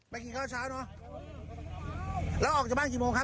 กินข้าวเช้าเนอะแล้วออกจากบ้านกี่โมงครับ